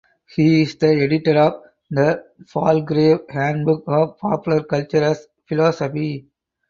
He is the editor of "The Palgrave Handbook of Popular Culture as Philosophy".